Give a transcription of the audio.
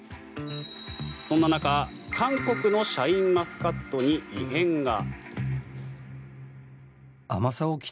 そんな中韓国のシャインマスカットに異変が。